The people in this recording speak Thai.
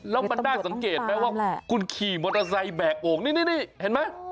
แล้วมันน่าสังเกตไหมว่าคุณขี่มอเตอร์ไซค์แบกโอ่งนี่เห็นไหม